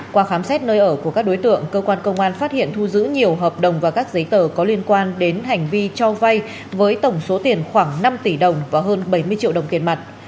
qua khám xét nơi ở của các đối tượng cơ quan công an phát hiện thu giữ nhiều hợp đồng và các giấy tờ có liên quan đến hành vi cho vay với tổng số tiền khoảng năm tỷ đồng và hơn bảy mươi triệu đồng tiền mặt